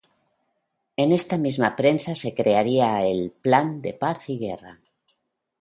En esta misma prensa se crearía el "Plan de Paz y Guerra".